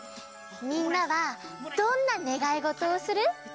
みんなはどんなねがいごとをする？